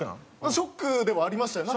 ショックではありましたね。